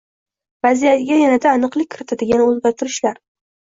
Vaziyatga yanada aniqlik kiritadigan o‘zgartirishlar: